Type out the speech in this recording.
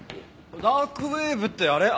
ダークウェブってあれ？